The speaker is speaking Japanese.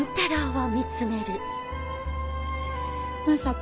まさか。